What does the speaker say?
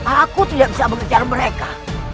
aku tidak bisa bekerja mereka